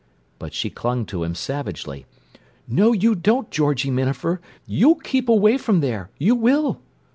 But she clung to him savagely. "No, you don't, Georgie Minafer! You'll keep away from there! You will!"